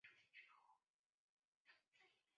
大多喜城曾经存在的一座连郭式平山城。